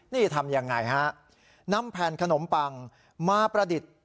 นี่ทำยังไงฮะนำแผ่นขนมปังมาประดิษฐ์